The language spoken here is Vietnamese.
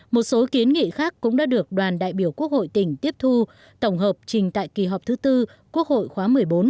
một số kiến nghị khác cũng đã được đoàn đại biểu quốc hội tỉnh tiếp thu tổng hợp trình tại kỳ họp thứ tư quốc hội khóa một mươi bốn